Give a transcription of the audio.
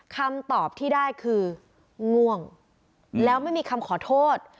คำตอบที่ได้คือง่วงแล้วไม่มีคำขอโทษ